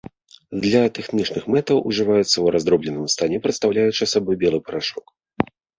Для тэхнічных мэтаў ўжываецца ў раздробленым стане, прадстаўляючы сабой белы парашок.